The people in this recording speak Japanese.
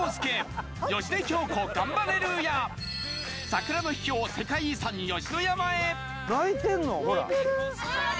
桜の秘境世界遺産吉野山へ！